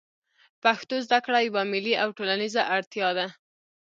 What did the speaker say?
پښتو زده کړه یوه ملي او ټولنیزه اړتیا ده